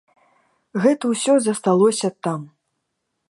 Гэта ўсё засталося там.